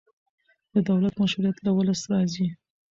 د دولت مشروعیت له ولس راځي